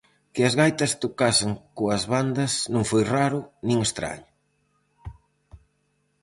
Que as gaitas tocasen coas bandas non foi raro nin estraño.